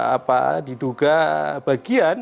apa diduga bagian